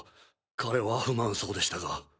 彼は不満そうでしたが。